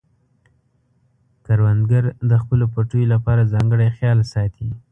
کروندګر د خپلو پټیو لپاره ځانګړی خیال ساتي